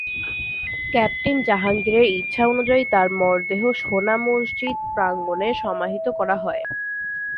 Captain জাহাঙ্গীরের ইচ্ছা অনুযায়ী তাঁর মরদেহ সোনামসজিদ প্রাঙ্গণে সমাহিত করা হয়।